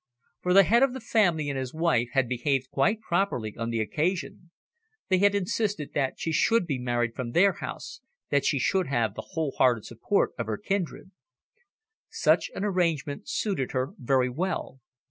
For the Head of the Family and his wife had behaved quite properly on the occasion. They had insisted that she should be married from their house, that she should have the whole hearted support of her kindred. Such an arrangement suited her very well.